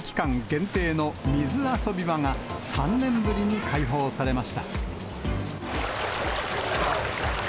限定の水遊び場が３年ぶりに開放されました。